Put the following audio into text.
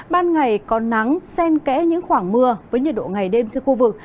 ban ngày có nắng sen kẽ những khoảng mưa với nhiệt độ ngày đêm trên khu vực